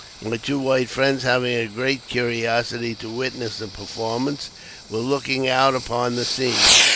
My two white friends, having a great curiosity to witness the performance, were looking out upon the scene.